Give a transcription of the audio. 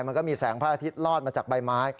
มันก็มีแสงพระอาทิตย์ลอดมาจากใบไม้